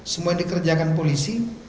semua yang dikerjakan polisi